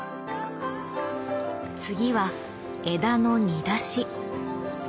次は枝の煮出し。